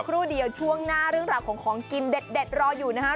ครู่เดียวช่วงหน้าเรื่องราวของของกินเด็ดรออยู่นะครับ